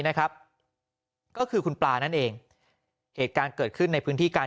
นะครับก็คือคุณปลานั่นเองเหตุการณ์เกิดขึ้นในพื้นที่การ